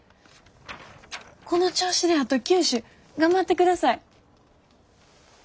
この調子であと９首頑張ってください。